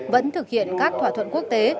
vẫn thực hiện các thỏa thuận quốc tế